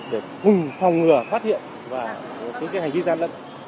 để cùng phòng ngừa phát hiện và những hành vi gian lận